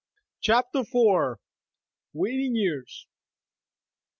19 CHAPTER IV. WAITING YEARS.